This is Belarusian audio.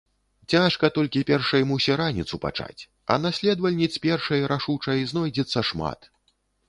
Цяжка толькі першай мусе раніцу пачаць, а наследавальніц першай, рашучай, знойдзецца шмат.